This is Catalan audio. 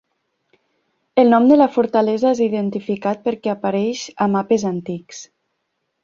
El nom de la fortalesa és identificat perquè apareix a mapes antics.